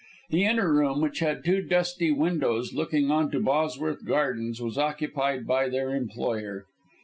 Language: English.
The inner room, which had two dusty windows looking on to Bosworth Gardens, was occupied by their employer.